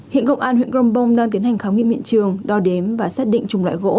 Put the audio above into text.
hiện công an huyện grongbong đang tiến hành khám nghiệm hiện trường đo đếm và xác định chủng loại gỗ